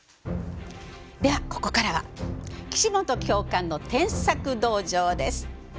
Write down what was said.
ではここからは「岸本教官の添削道場」です。